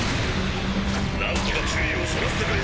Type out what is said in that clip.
なんとか注意をそらせてくれ。